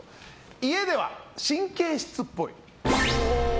家では神経質っぽい。